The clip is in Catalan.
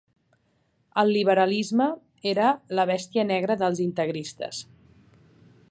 El liberalisme era la bèstia negra dels integristes.